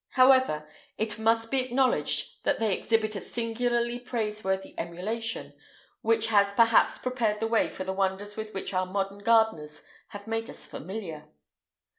However, it must be acknowledged that they exhibit a singularly praiseworthy emulation, which has perhaps prepared the way for the wonders with which our modern gardeners have made us familiar.